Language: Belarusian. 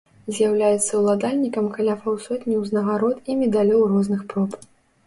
З'яўляецца ўладальнікам каля паўсотні ўзнагарод і медалёў розных проб.